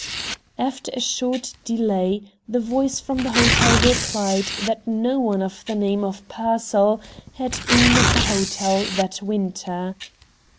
After a short delay, the voice from the hotel replied that no one of the name of Pearsall had been at the hotel that winter.